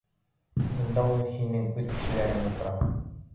Унда һинең үҙ кешеләрең ултыра.